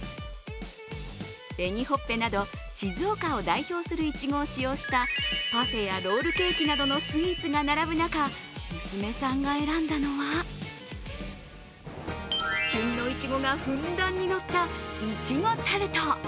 紅ほっぺなど静岡を代表するいちごを使用したパフェやロールケーキなどのスイーツが並ぶ中娘さんが選んだのは旬のいちごがふんだんにのったいちごタルト。